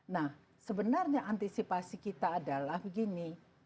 nah sebenarnya antisipasi kita adalah begini